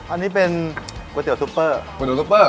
อันนี้เป็นก๋วยเตี๋ยวซุปเปอร์